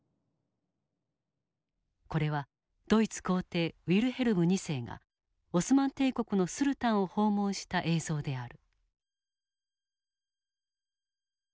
これはドイツ皇帝ウィルヘルム２世がオスマン帝国のスルタンを訪問した映像である。